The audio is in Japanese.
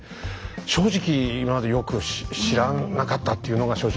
正直今までよく知らなかったっていうのが正直なとこですね。